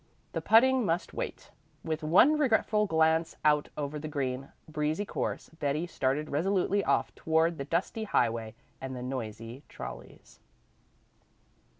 The putting must wait. With one regretful glance out over the green, breezy course Betty started resolutely off toward the dusty highway and the noisy trolleys.